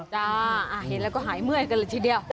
จ้าเห็นแล้วก็หายเมื่อยกันเลยทีเดียว